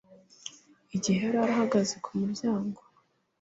igihe yari ahagaze ku muryango